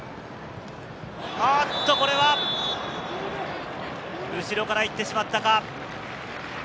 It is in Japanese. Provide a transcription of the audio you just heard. これは後ろから行ってしまったか。